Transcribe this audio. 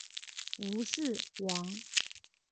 吴氏亡。